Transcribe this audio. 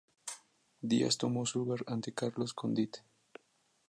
Díaz tomó su lugar ante Carlos Condit.